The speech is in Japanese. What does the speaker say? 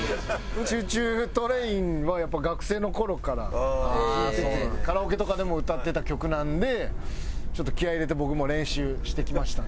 『ＣｈｏｏＣｈｏｏＴＲＡＩＮ』はやっぱ学生の頃から聴いててカラオケとかでも歌ってた曲なんでちょっと気合入れて僕も練習してきましたね。